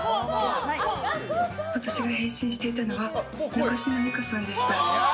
私が変身していたのは中島美嘉さんでした。